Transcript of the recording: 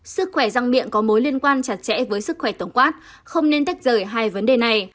sức khỏe răng miệng có mối liên quan chặt chẽ với sức khỏe tổng quát không nên tách rời hai vấn đề này